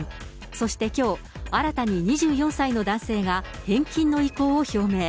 そしてきょう、新たに２４歳の男性が、返金の意向を表明。